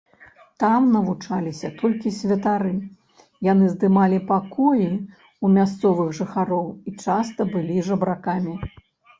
Там навучаліся толькі святары, яны здымалі пакоі ў мясцовых жыхароў і часта былі жабракамі.